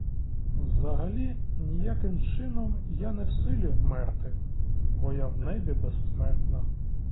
Взагалі ніяким чином я не в силі вмерти, бо я в небі безсмертна.